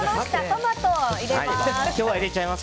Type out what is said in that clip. トマトを入れます。